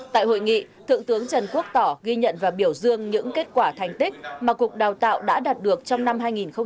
tại hội nghị thượng tướng trần quốc tỏ ghi nhận và biểu dương những kết quả thành tích mà cục đào tạo đã đạt được trong năm hai nghìn một mươi tám